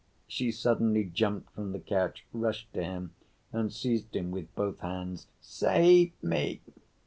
She suddenly jumped from the couch, rushed to him and seized him with both hands. "Save me!"